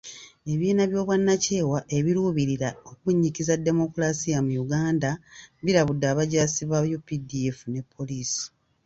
Ebibiina by'obwannakyewa ebiruubirira okunnyikiza demokulaasiya mu Uganda, birabudde abajaasi ba UPDF ne Poliisi.